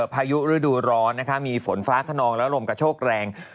พายุฤดูร้อนมีฝนฟ้าขนองและลมกระโชกแรง